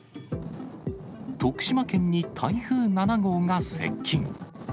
徳島県に台風７号が接近。